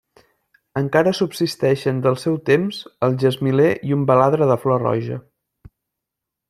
Encara subsisteixen del seu temps el gesmiler i un baladre de flor roja.